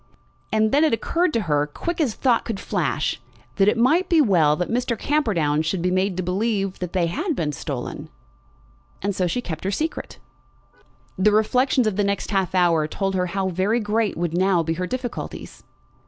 And then it occurred to her, quick as thought could flash, that it might be well that Mr. Camperdown should be made to believe that they had been stolen. And so she kept her secret. The reflections of the next half hour told her how very great would now be her difficulties.